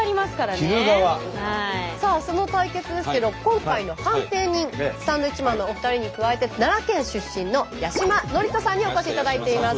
さあその対決ですけど今回の判定人サンドウィッチマンのお二人に加えて奈良県出身の八嶋智人さんにお越しいただいています。